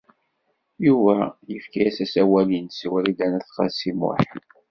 Yuba yefka-as asawal-nnes i Wrida n At Qasi Muḥ.